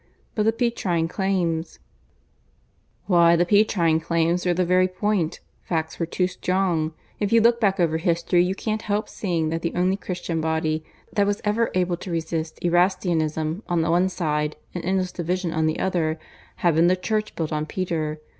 "But the Petrine claims " "Why, the Petrine claims were the very point. Facts were too strong. If you look back over history you can't help seeing that the only Christian body that was ever able to resist Erastianism on the one side and endless division on the other has been the Church built on Peter.